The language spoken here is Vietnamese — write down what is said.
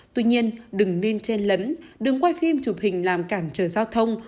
tuy nhiên đừng nên chen lấn đừng quay phim chụp hình làm cản trở giao thông